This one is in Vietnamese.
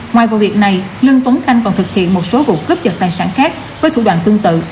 ngoài vụ việc này lương tuấn khanh còn thực hiện một số vụ cướp giật tài sản khác với thủ đoạn tương tự